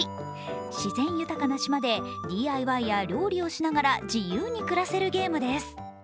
自然豊かな島でＤＩＹや料理をしながら自由に暮らせるゲームです。